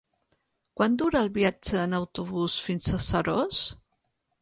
Quant dura el viatge en autobús fins a Seròs?